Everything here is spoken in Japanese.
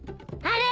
あれ？